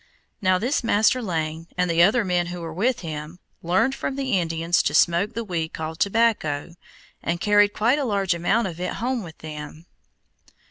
Now this Master Lane, and the other men who were with him, learned from the Indians to smoke the weed called tobacco, and carried quite a large amount of it home with them.